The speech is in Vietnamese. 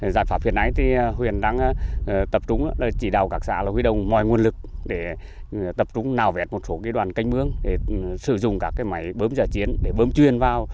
giải pháp huyện này thì huyện đang tập trung chỉ đào các xã huy đông mọi nguồn lực để tập trung nào vẹt một số cái đoàn canh mướng để sử dụng các cái máy bơm giả chiến để bơm chuyên vào